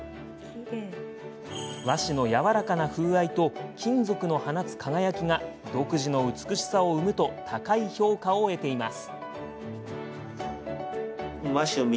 和紙のやわらかな風合いと金属の放つ輝きが独自の美しさを生むと高い評価を得ています。